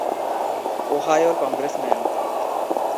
ওহাইওর congressman.